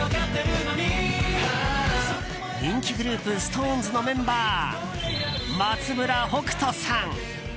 人気グループＳｉｘＴＯＮＥＳのメンバー、松村北斗さん。